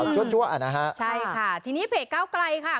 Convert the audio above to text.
จั๊วอ่ะนะฮะใช่ค่ะทีนี้เพจเก้าไกลค่ะ